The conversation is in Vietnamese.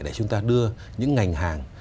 để chúng ta đưa những ngành hàng